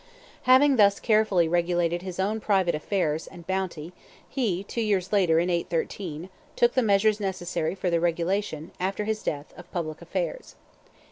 Having thus carefully regulated his own private affairs and bounty, he, two years later, in 813, took the measures necessary for the regulation, after his death, of public affairs.